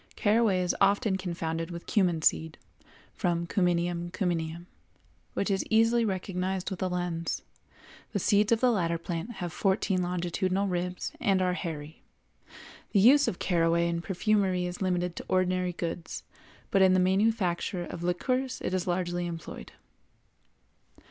Caraway is occasionally confounded with cumin seed, from Cuminum Cyminum, which is easily recognized with a lens: the seeds of the latter plant have fourteen longitudinal ribs and are hairy. The use of caraway in perfumery is limited to ordinary goods, but in the manufacture of liqueurs it is largely employed.